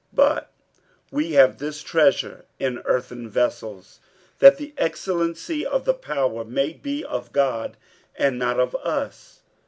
47:004:007 But we have this treasure in earthen vessels, that the excellency of the power may be of God, and not of us.